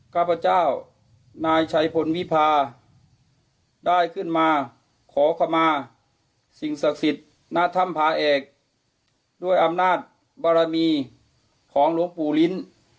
ข้าพเจ้านายชัยพลวิพาได้ขึ้นมาขอขมาสิ่งศักดิ์สิทธิ์ณถ้ำพาเอกด้วยอำนาจบารมีของหลวงปู่ลิ้น